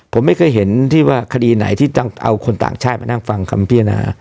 ผมไม่เคยเห็นที่ว่าคดีไหนที่ต้องเอาคนต่างชาติมานั่งฟังคำพิจารณา